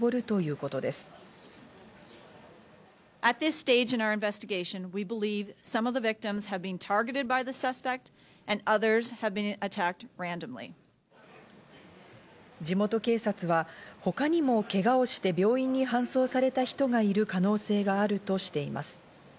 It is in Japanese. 死者やけが人が出た現場は地元警察は他にもけがをして病院に搬送された人がいる可能性があるとしています。